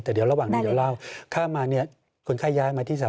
แต่เดี๋ยวระหว่างเดี๋ยวแค่มา